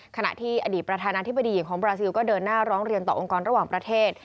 ขณะที่อดีตประธานาธิบดีหญิงของบราซิลก็เดินหน้าร้องเรียนต่อองค์กรระหว่างประเทศ